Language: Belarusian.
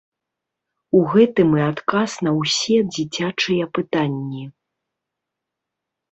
У гэтым і адказ на ўсе дзіцячыя пытанні.